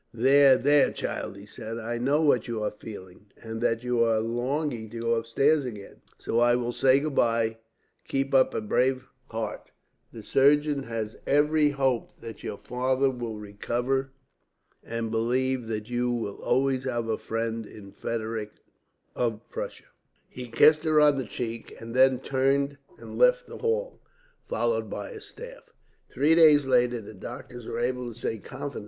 "'There, there, child,' he said. 'I know what you are feeling, and that you are longing to go upstairs again, so I will say goodbye. Keep up a brave heart. The surgeons have every hope that your father will recover. And believe that you will always have a friend in Frederick of Prussia.' "He kissed her on the cheek, and then turned and left the hall, followed by his staff."